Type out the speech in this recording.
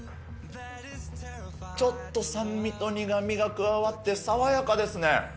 ちょっと酸味と苦みが加わって、爽やかですね。